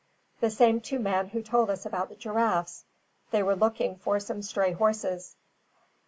"The same two men who told us about the giraffes. They were looking for some stray horses."